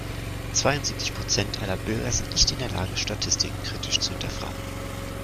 Zweiundsiebzig Prozent aller Bürger sind nicht in der Lage, Statistiken kritisch zu hinterfragen.